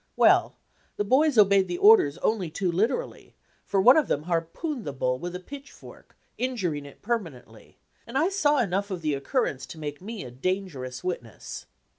Well, the boys obeyed the orders only too liter ally, for one of them harpooned the bull with a pitchfork, injuring it permanently, and I saw enough of the occurrence to make me a danger ous witness.